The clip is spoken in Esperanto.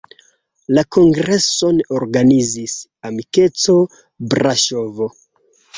La kongreson organizis "Amikeco Braŝovo".